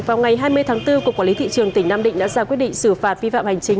vào ngày hai mươi tháng bốn cục quản lý thị trường tỉnh nam định đã ra quyết định xử phạt vi phạm hành chính